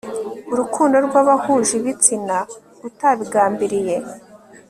urukundo rwabahuje ibitsina utabigambiriye